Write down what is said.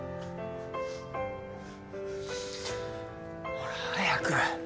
ほら早く。